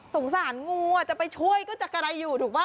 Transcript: สารงูจะไปช่วยก็จะกระดายอยู่ถูกป่